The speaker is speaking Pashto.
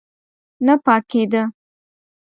نه پاکېده.